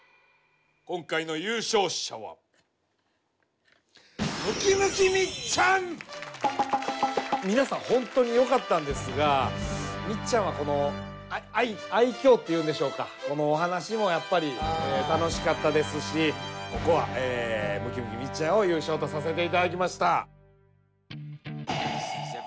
今回の優勝者は皆さん本当によかったんですがみっちゃんはこの愛きょうというんでしょうかお話もやっぱり楽しかったですしここはムキムキみっちゃんを優勝とさせて頂きました。